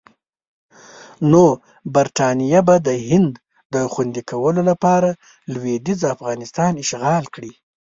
نو برټانیه به د هند د خوندي کولو لپاره لویدیځ افغانستان اشغال کړي.